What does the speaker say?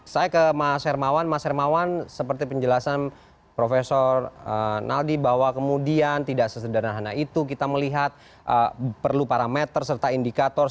saya ke mas hermawan mas hermawan seperti penjelasan prof naldi bahwa kemudian tidak sesederhana itu kita melihat perlu parameter serta indikator